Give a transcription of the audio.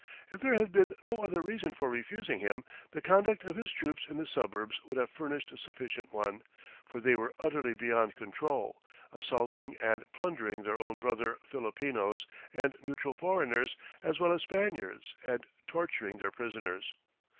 If there had been no other reason for refusing him, the conduct of his troops in the suburbs would have furnished a sufficient one, for they were utterly beyond control, assaulting and plundering their own brother Filipinos and neutral foreigners, as well as Spaniards, and torturing their prisoners.